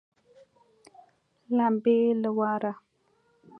لمبې له واره